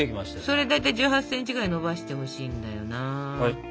それで１８ｃｍぐらいにのばしてほしいだよな。